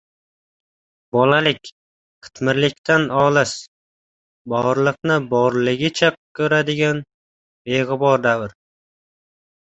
Bolalik – qitmirlikdan olis, borliqni borligicha ko‘radigan beg‘ubor davr.